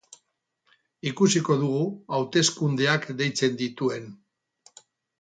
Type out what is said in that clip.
Ikusiko dugu hauteskundeak deitzen dituen.